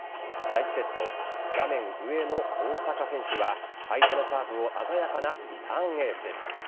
第１セット、画面上の大坂選手は、相手のサーブを鮮やかなリターンエース。